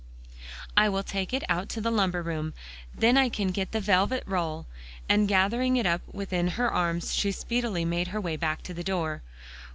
"I will take it out into the lumber room; then I can get the velvet roll," and gathering it up within her arms, she speedily made her way back to the door.